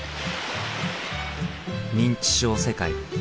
「認知症世界」。